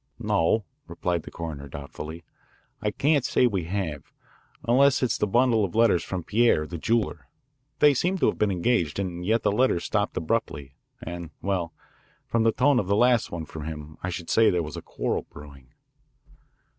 "No," replied the coroner doubtfully, "I can't say we have unless it is the bundle of letters from Pierre, the jeweller. They seem to have been engaged, and yet the letters stopped abruptly, and, well, from the tone of the last one from him I should say there was a quarrel brewing."